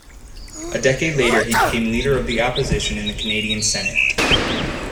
A decade later he became Leader of the Opposition in the Canadian Senate.